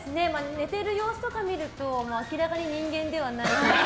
寝てる様子とか見ると明らかに人間ではない。